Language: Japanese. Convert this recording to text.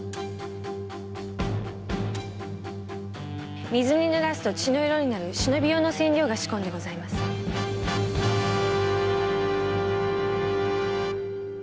〔水に濡らすと血の色になる忍び用の染料が仕込んでございます〕